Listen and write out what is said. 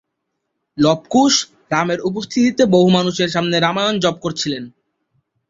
লব-কুশ, রামের উপস্থিতিতে বহু মানুষের সামনে রামায়ণ জপ করেছিলেন।